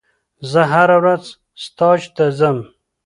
زه هره ورځ ستاژ ته ځم.